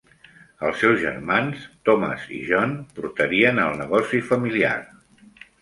Els seus germans, Thomas i John, portarien el negoci familiar.